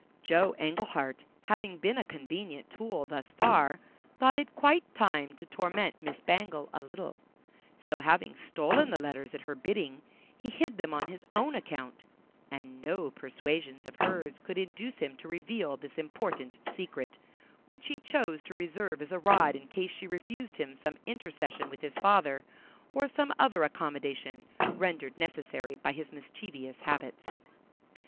Joe Englehart having been a convenient tool thus far thought it quite time to torment Miss Bangle a little; so, having stolen the letters at her bidding, he hid them on his own account, and no persuasions of hers could induce him to reveal this important secret, which he chose to reserve as a rod in case she refused him some intercession with his father, or some other accommodation, rendered necessary by his mischievous habits.